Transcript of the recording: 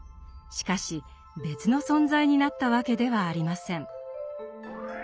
しかし別の存在になったわけではありません。